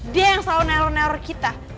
dia yang selalu nero neror kita